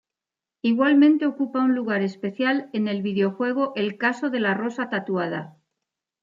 Igualmente ocupa un lugar especial en el videojuego El caso de la rosa tatuada.